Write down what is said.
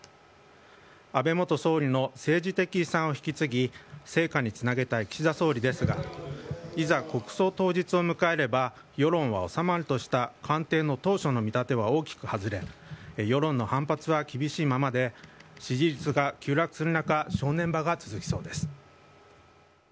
安倍元総理の政治的遺産を引き継ぎ、成果につなげたい岸田総理ですが、いざ国葬当日を迎えれば世論は収まるとした官邸の当初の見立ては大きく外れ、世論の反発は厳しいままで、支持率が急落する中、正念場が続きそうです。